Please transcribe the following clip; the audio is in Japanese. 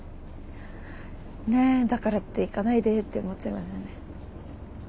ねえだからっていかないでって思っちゃいますよね。